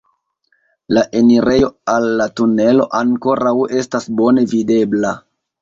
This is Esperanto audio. La enirejo al la tunelo ankoraŭ estas bone videbla.